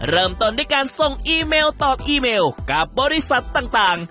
เริ่มต้นด้วยการส่งอีเมลตอบอีเมลกับบริษัทต่าง